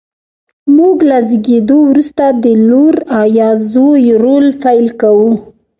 موږ له زېږېدو وروسته د لور یا زوی رول پیل کوو.